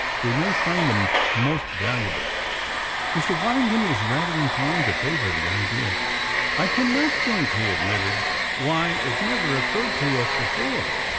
We may find them most valuable." Mr. Waddington was rather inclined to favor the idea. "I cannot think," he admitted, "why it never occurred to us before.